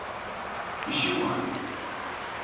İşim vardı.